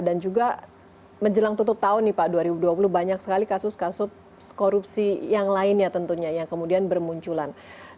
dan juga menjelang tutup tahun nih pak dua ribu dua puluh banyak sekali kasus kasus korupsi yang lainnya tentunya yang kemudian bermunculan